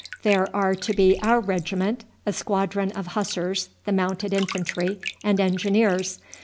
There are to be our regiment, a squadron of Hussars, the Mounted Infantry, and Engineers.